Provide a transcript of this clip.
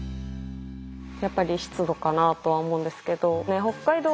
やっぱり湿度かなとは思うんですけど北海道